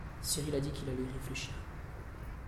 Cyrille a dit qu’il allait y réfléchir.